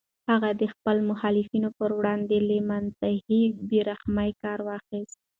هغه د خپلو مخالفینو پر وړاندې له منتهی بې رحمۍ کار واخیست.